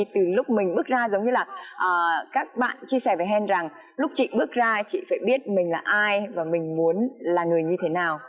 từ lúc mình bước ra giống như là các bạn chia sẻ với hen rằng lúc chị bước ra chị phải biết mình là ai và mình muốn là người như thế nào